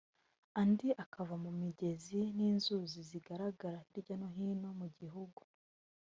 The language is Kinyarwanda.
andi akava mu migezi n’inzuzi zigaragara hirya no hino mu gihugu